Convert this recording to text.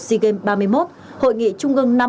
sea games ba mươi một hội nghị trung ngân